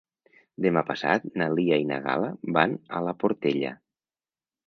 Demà passat na Lia i na Gal·la van a la Portella.